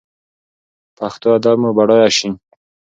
پښتو ادب مو بډایه شي.